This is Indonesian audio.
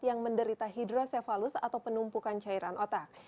yang menderita hidrosefalus atau penumpukan cairan otak